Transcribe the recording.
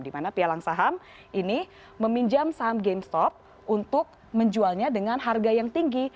di mana pialang saham ini meminjam saham gamestop untuk menjualnya dengan harga yang tinggi